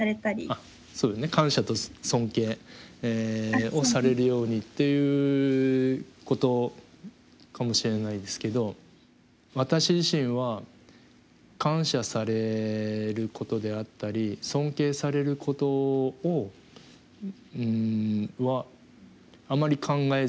あっそうだね感謝と尊敬をされるようにっていうことかもしれないですけど私自身は感謝されることであったり尊敬されることはあまり考えずに。